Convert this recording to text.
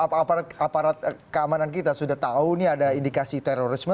aparat keamanan kita sudah tahu nih ada indikasi terorisme